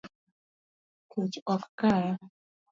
Kech ok kaya